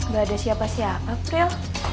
gak ada siapa siapa